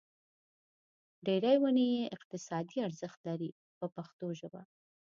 ډېرې ونې یې اقتصادي ارزښت لري په پښتو ژبه.